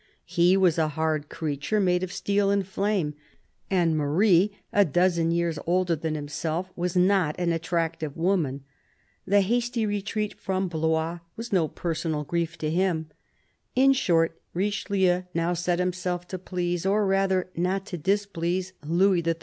He was a hard creature, made of steel and flame, and Marie, a dozen years older than himself, was not an attractive woman. The hasty retreat from Blois was no personal grief to him. In short, Richelieu now set himself to please — or rather, not to displease — Louis XHI.